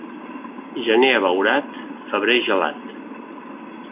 Gener abeurat, febrer gelat.